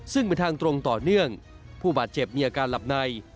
ซึ่งเป็นทางตรงต่อเนื่องผู้บาดเจ็บมีอาการหลับใน